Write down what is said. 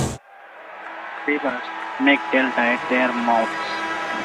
These rivers make delta at their mouths.